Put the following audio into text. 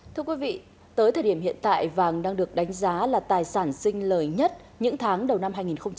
thưa quý vị tới thời điểm hiện tại vàng đang được đánh giá là tài sản sinh lời nhất những tháng đầu năm hai nghìn hai mươi bốn